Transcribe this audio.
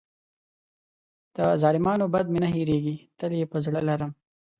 د ظالمانو بد مې نه هېرېږي، تل یې په زړه لرم.